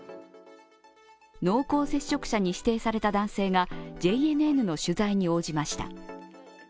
濃厚接触者に指定された男性がＪＮＮの取材に応じました。